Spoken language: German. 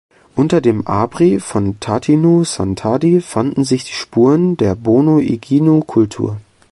Unter dem Abri von Tatinu-Santadi fanden sich die Spuren der Bono-Ighinu-Kultur.